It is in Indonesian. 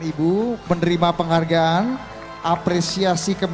sebuah penuntut yang sangat luar biasa